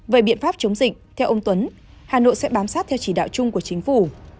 về biện pháp chống dịch theo ông tuấn hà nội sẽ bám sát theo chỉ đạo chung của chính phủ